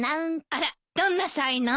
あらどんな才能？